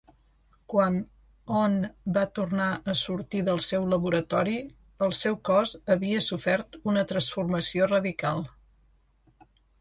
Quan Ohnn va tornar a sortir del seu laboratori, el seu cos havia sofert una transformació radical.